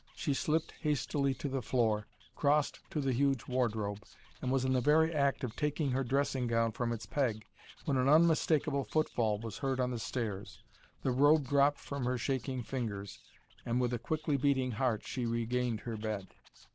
She slipped hastily to the floor, crossed to the huge wardrobe, and was in the very act of taking her dressing gown from its peg when an unmistakable footfall was heard on the stairs. The robe dropped from her shaking fingers, and with a quickly beating heart she regained her bed.